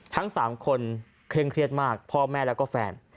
ทั้ง๓คนเครียดมากพ่อแม่และแฟน